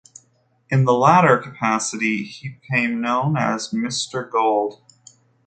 In the latter capacity he became known as Mr Gold.